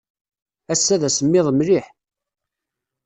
Ass-a d asemmiḍ mliḥ.